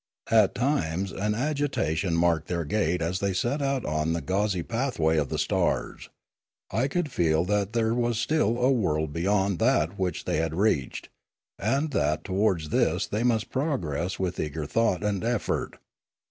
At times an agitation marked their gait as they set out on the gauzy pathway of the stars. I could feel that there was still a world beyond that which they had reached, and that towards this they must progress with eager thought and effort.